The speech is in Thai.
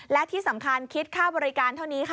และที่สำคัญคิดค่าบริการเท่านี้ค่ะ